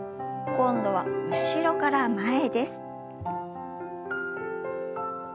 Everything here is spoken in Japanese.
今度は後ろから前です。